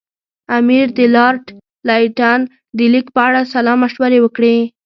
امیر د لارډ لیټن د لیک په اړه سلا مشورې وکړې.